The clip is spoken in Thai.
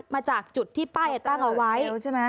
มาจากจุดที่ป้ายตั้งเอาไว้ใช่ไหม